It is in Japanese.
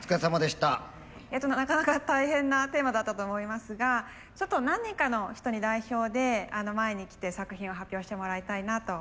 なかなか大変なテーマだったと思いますがちょっと何人かの人に代表で前に来て作品を発表してもらいたいなと思います。